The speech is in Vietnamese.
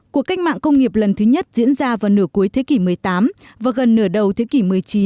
cuộc cách mạng công nghiệp lần thứ nhất diễn ra vào nửa cuối thế kỷ một mươi tám và gần nửa đầu thế kỷ một mươi chín